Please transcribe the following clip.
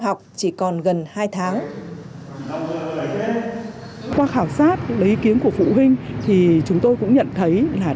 học chỉ còn gần hai tháng qua khảo sát lấy ý kiến của phụ huynh thì chúng tôi cũng nhận thấy là